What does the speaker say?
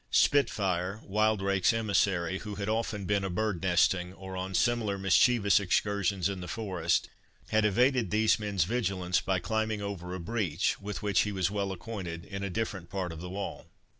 Spitfire, Wildrake's emissary, who had often been a bird nesting, or on similar mischievous excursions in the forest, had evaded these men's vigilance by climbing over a breach, with which he was well acquainted, in a different part of the wall.